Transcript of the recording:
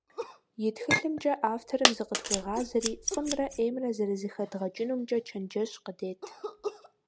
И тхылъымкӀэ авторым зыкъытхуегъазэри фӀымрэ Ӏеймрэ зэрызэхэдгъэкӀынумкӀэ чэнджэщ къыдет.